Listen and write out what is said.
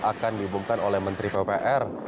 akan diumumkan oleh menteri ppr